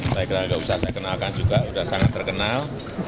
saya kira nggak usah saya kenalkan juga sudah sangat terkenal